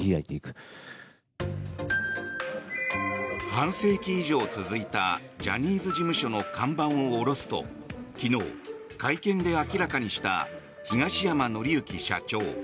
半世紀以上続いたジャニーズ事務所の看板を下ろすと昨日、会見で明らかにした東山紀之社長。